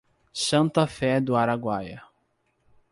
Santa Fé do Araguaia